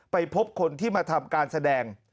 ไปพบคนที่มาทำการแสดง